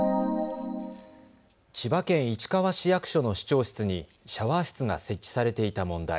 千葉県市川市役所の市長室にシャワー室が設置されていた問題。